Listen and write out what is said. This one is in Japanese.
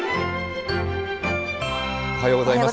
おはようございます。